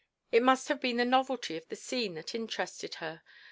It must have been the novelty of the scene that interested her.